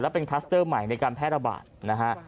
เป็นคลัสเตอร์ใหม่ในการแพร่ระบาดนะฮะ